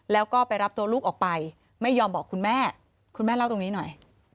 แล้วก็ไปรับตัวลูกออกไปไม่ยอมบอกคุณแม่คุณแม่เล่าตรงนี้หน่อย